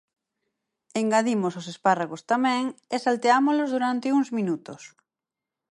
Engadimos os espárragos tamén e salteámolos durante uns minutos.